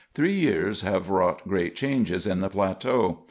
Three years have wrought great changes in the plateau.